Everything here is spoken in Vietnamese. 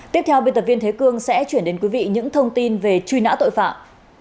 tiếp theo biên tập viên thế cương sẽ chuyển đến quý vị những thông tin về truy nã tội phạm